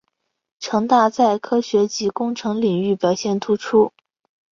城大在科学及工程领域表现突出。